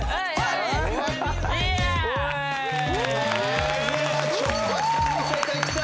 まずは挑発見せてきた！